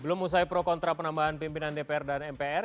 belum usai pro kontra penambahan pimpinan dpr dan mpr